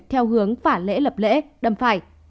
theo hướng phả lễ lập lễ đâm phải